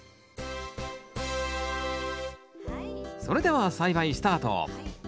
それでは栽培スタート。